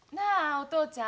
お父ちゃん。